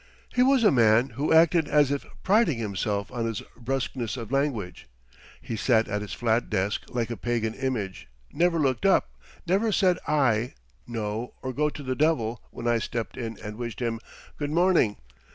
He was a man who acted as if priding himself on his brusqueness of language. He sat at his flat desk like a pagan image, never looked up, never said aye, no, or go to the devil when I stepped in and wished him "Good morning!"